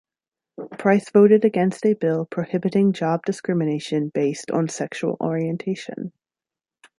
Price voted against a bill prohibiting job discrimination based on sexual orientation.